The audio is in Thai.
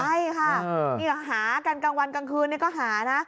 ใช่ค่ะหากันวันกลางคืนก็หานะ